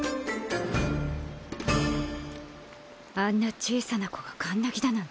あんな小さな子がカンナギだなんて。